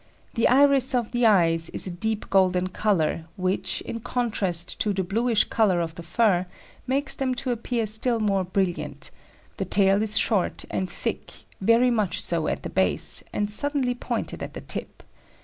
The iris of the eyes is a deep golden colour, which, in contrast to the bluish colour of the fur, makes them to appear still more brilliant; the tail is short and thick, very much so at the base, and suddenly pointed at the tip.